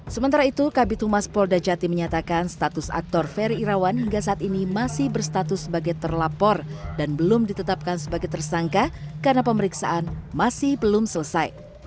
sementara itu kabitumas polda jati menyatakan status aktor ferry irawan hingga saat ini masih berstatus sebagai terlapor dan belum ditetapkan sebagai tersangka karena pemeriksaan masih belum selesai